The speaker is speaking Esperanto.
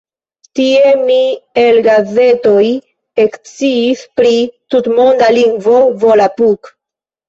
Tie mi el gazetoj eksciis pri tutmonda lingvo "Volapuk".